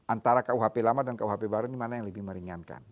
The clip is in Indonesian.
antara kuhp lama dan kuhp baru ini mana yang lebih meringankan